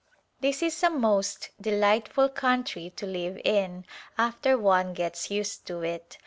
This is a most delightful country to live in after one gets used to it.